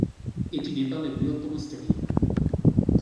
এটি নেপালে বৃহত্তম স্টেডিয়াম।